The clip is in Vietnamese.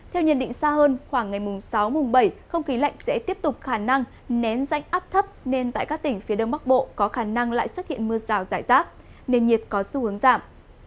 theo nhận định xa hơn khoảng ngày sáu mùng bảy không khí lạnh sẽ tiếp tục khả năng nén dạnh áp thấp nên tại các tỉnh phía đông bắc bộ có khả năng lại xuất hiện mưa rào rải rác nên nhiệt có xu hướng giảm